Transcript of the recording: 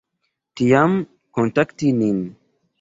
Tiam kontakti nin.